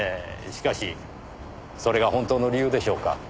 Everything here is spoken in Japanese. しかしそれが本当の理由でしょうか？